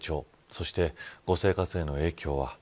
そして、ご生活への影響は。